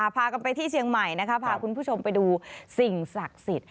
พากันไปที่เชียงใหม่นะคะพาคุณผู้ชมไปดูสิ่งศักดิ์สิทธิ์